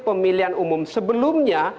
pemilihan umum sebelumnya